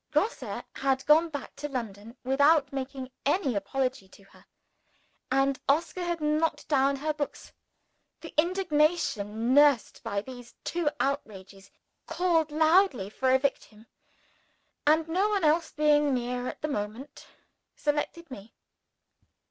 Grosse had gone back to London without making any apology to her; and Oscar had knocked down her books. The indignation aroused by these two outrages called loudly for a victim and (no one else being near at the moment) selected Me.